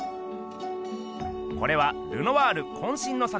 これはルノワールこんしんの作。